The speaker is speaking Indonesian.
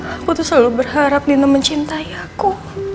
aku tuh selalu berharap dina mencintai aku